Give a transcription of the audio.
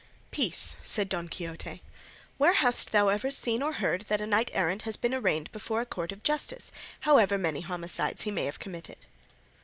"Peace," said Don Quixote; "where hast thou ever seen or heard that a knight errant has been arraigned before a court of justice, however many homicides he may have committed?"